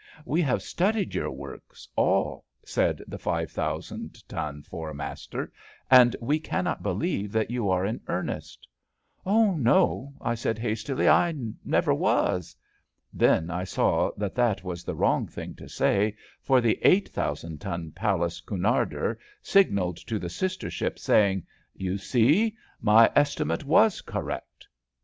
We have studied your works — ^all," said the five thousand ton four master, '* and we cannot believe that you are in earnest." '* Oh, no," I said hastily, I never was." Then I saw that that was the wrong thing to say, for the eight thousand ton palace Cunarder signalled to the sister ship, saying: You see, my estimate was correct."